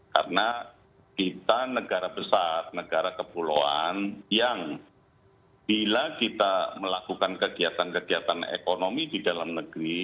karena kita negara besar negara kepulauan yang bila kita melakukan kegiatan kegiatan ekonomi di dalam negeri